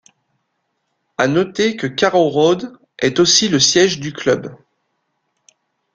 À noter que Carrow Road est aussi le siège du club.